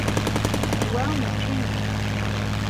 Wa mačči inu.